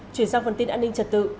chuyển sang phần tin an ninh trật tự